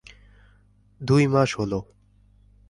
দুই মাস হল।